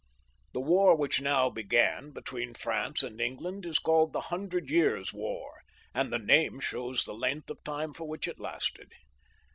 The war which now began between Prance and England is called the Hundred Years' War; and the name shows the length of time for which it lasted.